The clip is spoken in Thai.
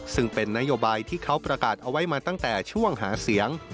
ซึ่งเป็นนโยบายที่เขาประกาศเอาไว้มาตั้งแต่ช่วงหาเสียง